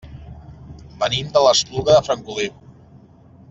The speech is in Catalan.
Venim de l'Espluga de Francolí.